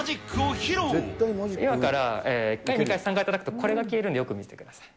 今から、１回、２回、３回たたくと、これが消えるんで、よく見ててください。